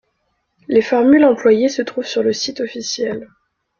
Les formules employées se trouvent sur le site officiel.